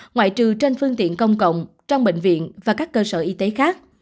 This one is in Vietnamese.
ngoại trừ trên phương tiện công cộng trong bệnh viện và các cơ sở y tế khác